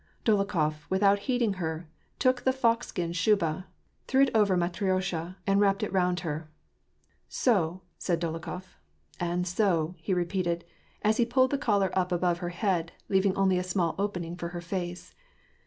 Dolokhof, without heeding her, took the fox skin shuba, threw it over Matriosha, and wrapped it round her. " So," said Dolokhof ;" and so," he repeated, as he pulled the collar up above her head, leaving only a small opening for her face.